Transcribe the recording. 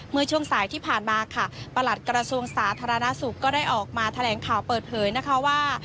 เมื่อช่วงสายที่ผ่านมาค่ะประหลัดกระทรวงสาธารณสุขก็ได้ออกมาแถลงข่าวเปิดเผยนะคะว่า